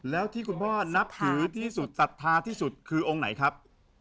แล้วที่คุณพ่อนับถือที่สุดศรัทธาที่สุดคือองค์ไหนครับ